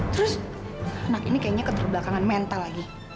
terus anak ini kayaknya keterbelakangan mental lagi